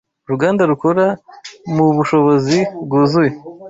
Uruganda rukora mubushobozi bwuzuye.